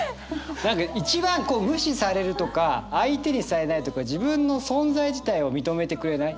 何か一番無視されるとか相手にされないとか自分の存在自体を認めてくれない。